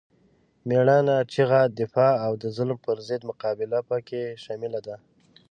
مېړانه، چیغه، دفاع او د ظالم پر ضد مقابله پکې شامله ده.